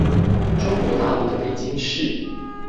中國大陸的北京市